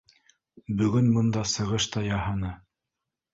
Бөгөн бында сығыш та яһаны